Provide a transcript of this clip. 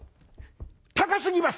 高すぎます！」。